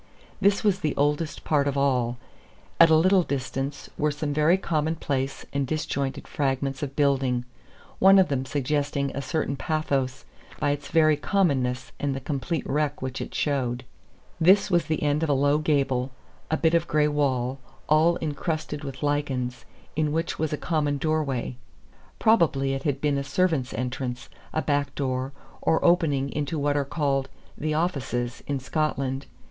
This was the oldest part of all. At a little distance were some very commonplace and disjointed fragments of building, one of them suggesting a certain pathos by its very commonness and the complete wreck which it showed. This was the end of a low gable, a bit of gray wall, all incrusted with lichens, in which was a common door way. Probably it had been a servants' entrance, a backdoor, or opening into what are called "the offices" in Scotland.